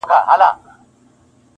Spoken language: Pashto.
ډېر پخوا چي نه موټر او نه سایکل وو -